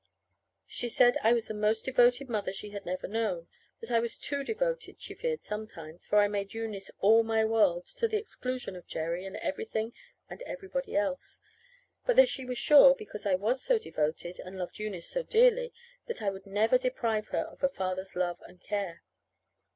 She said I was the most devoted mother she had ever known; that I was too devoted, she feared sometimes, for I made Eunice all my world, to the exclusion of Jerry and everything and everybody else. But that she was very sure, because I was so devoted, and loved Eunice so dearly, that I would never deprive her of a father's love and care.